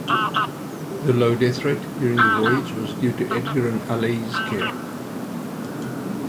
The low death rate during the voyage was due to Edgar and Alley's care.